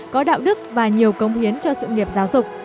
có đạo đức và nhiều công hiến cho sự nghiệp giáo dục